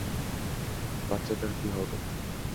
বাচ্চাটার কী হবে?